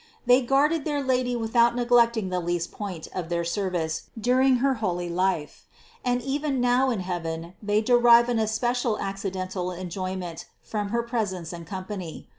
They guarded their Lady without neglecting the least point of their service during her holy life, and even now in heaven they derive an especial accidental enjoy ment from her presence and company.